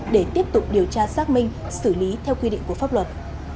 để tiếp tục điều tra xác minh xử lý theo quy định của pháp luật